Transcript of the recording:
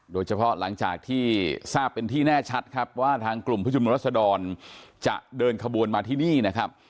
หลังจากที่ทราบเป็นที่แน่ชัดครับว่าทางกลุ่มผู้ชุมนุมรัศดรจะเดินขบวนมาที่นี่นะครับ